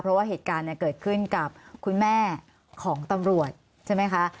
เพราะว่าเหตุการณ์เกิดขึ้นกับคุณแม่ของตำรวจใช่ไหมคะ